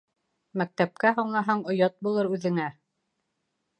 Мәктәпкә һуңлаһаң, оят булыр үҙеңә.